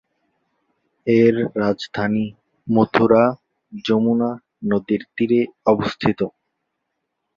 এর রাজধানী মথুরা যমুনা নদীর তীরে অবস্থিত।